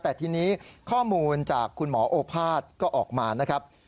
แต่ทีนี้ข้อมูลจากคุณหมอโอภาษย์ก็ออกมานะครับ